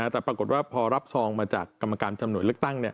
แต่ปรากฏว่าพอรับซองมาจากกรรมการจำหน่วยเลือกตั้ง